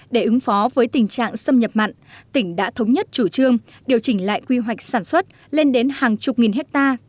để ứng phó với tình trạng xâm nhập mặn tỉnh đã thống nhất chủ trương điều chỉnh lại quy hoạch sản xuất lên đến hàng chục nghìn hectare